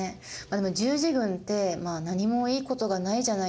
十字軍って何もいいことがないじゃないですか。